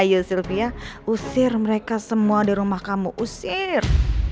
ayo sylvia usir mereka semua dari rumah kamu usir